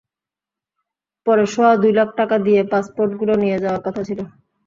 পরে সোয়া দুই লাখ টাকা দিয়ে পাসপোর্টগুলো নিয়ে যাওয়ার কথা ছিল।